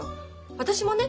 私もね